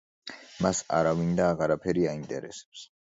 მას არავინ და აღარაფერი აინტერესებს.